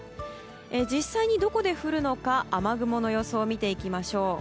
実際にどこで降るのか雨雲の予想を見ていきましょう。